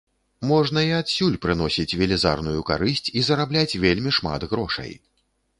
Можна і адсюль прыносіць велізарную карысць і зарабляць вельмі шмат грошай.